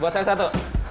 buat saya satu